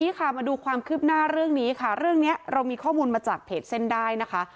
ค่ะมาดูความคืบหน้าเรื่องนี้ค่ะเรื่องนี้เรามีข้อมูลมาจากเพจเส้นได้นะคะ